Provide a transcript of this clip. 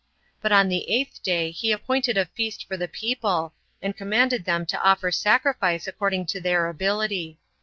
But on the eighth day he appointed a feast for the people, and commanded them to offer sacrifice according to their ability.